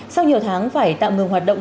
sau nhiều tháng phải tạm ngừng hoạt động